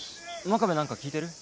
真壁何か聞いてる？